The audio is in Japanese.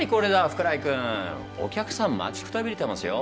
福来君お客さん待ちくたびれてますよ。